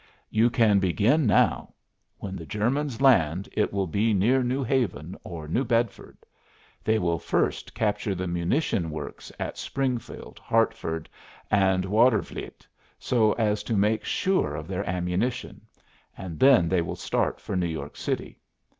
You can begin now. When the Germans land it will be near New Haven, or New Bedford. They will first capture the munition works at Springfield, Hartford, and Watervliet so as to make sure of their ammunition, and then they will start for New York City.